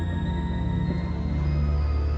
aku bisa sembuh